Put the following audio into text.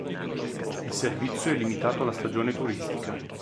Il servizio è limitato alla stagione turistica.